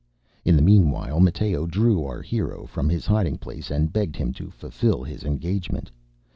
In the meanwhile, Matteo drew our hero from his hiding place, and begged him to fulfil his engagement.